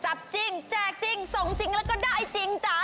จับจริงแจกจริงส่งจริงแล้วก็ได้จริงจ๊ะ